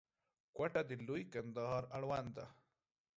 کوټه د لوی کندهار اړوند ده.